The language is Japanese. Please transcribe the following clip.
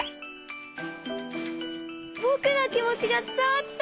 ぼくのきもちがつたわった！